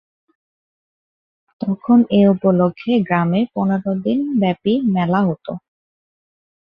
তখন এ উপলক্ষে গ্রামে পনের দিনব্যাপী মেলা হত।